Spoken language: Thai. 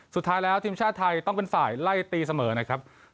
สุดท้ายแล้วทีมชาติไทยต้องเป็นฝ่ายไล่ตีเสมอนะครับ